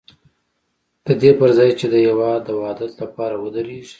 د دې پر ځای چې د هېواد د وحدت لپاره ودرېږي.